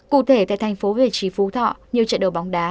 cụ thể tại thành phố về trí phú thọ nhiều trại đấu bóng đá